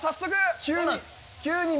急に。